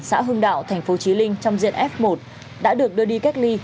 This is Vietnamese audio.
xã hưng đạo thành phố trí linh trong diện f một đã được đưa đi cách ly